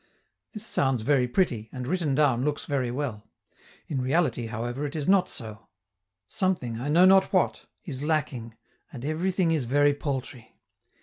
This sounds very pretty, and written down looks very well. In reality, however, it is not so; something, I know not what, is lacking, and everything is very paltry.